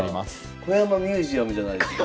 小山ミュージアムじゃないですか。